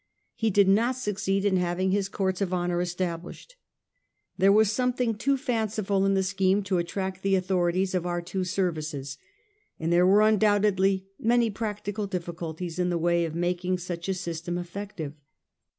He did not succeed in having his courts of honour established. There was something too fanciful in the scheme to attract the authorities of our two services ; and there were undoubtedly many practical difficulties in the way of making such a system effective.